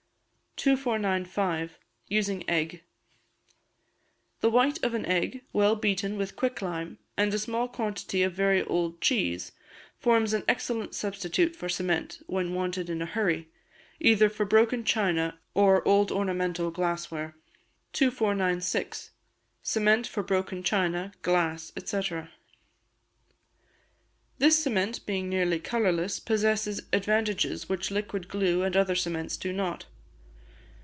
2495. Using Egg. The white of an egg, well beaten with quicklime, and a small quantity of very old cheese, forms an excellent substitute for cement, when wanted in a hurry, either for broken china or old ornamental glassware. 2496. Cement for Broken China, Glass, &c. This cement being nearly colourless, possesses advantages which liquid glue and other cements do not.